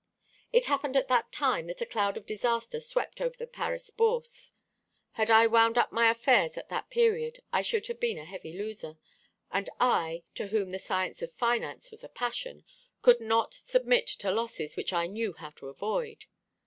"It happened at that time that a cloud of disaster swept over the Paris Bourse. Had I wound up my affairs at that period, I should have been a heavy loser; and I, to whom the science of finance was a passion, could not submit to losses which I knew how to avoid.